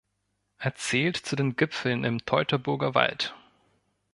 Er zählt zu den Gipfeln im Teutoburger Wald.